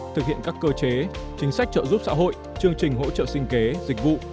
thực hiện các cơ chế chính sách trợ giúp xã hội chương trình hỗ trợ sinh kế dịch vụ